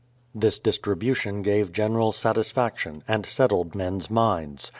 This distribution gave general satisfaction, and settled men's minds.